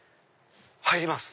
入ります！